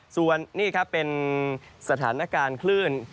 ส่วนนี่ครับเป็นสถานการณ์คลื่น